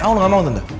aku gak mau tante